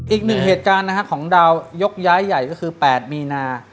อีกหนึ่งเหตุการณ์นะฮะของดาวยกย้ายใหญ่ก็คือ๘มีนา